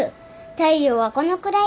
太陽はこのくらい。